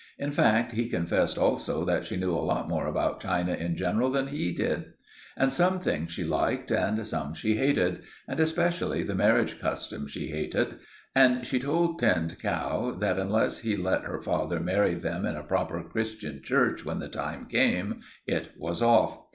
In fact, he confessed also that she knew a lot more about China in general than he did. And some things she liked, and some she hated; and especially the marriage customs she hated; and she told Tinned Cow that unless he let her father marry them in a proper Christian church when the time came, it was off.